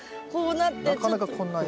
なかなかこんなに。